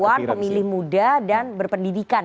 jadi perempuan pemilih muda dan berpendidikan